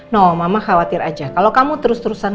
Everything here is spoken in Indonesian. no mama khawatir aja kalau kamu terus terusan